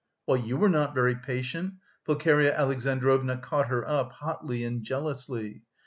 "Well, you were not very patient!" Pulcheria Alexandrovna caught her up, hotly and jealously.